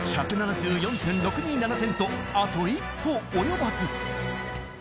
１７４．６２７点とあと一歩及ばず。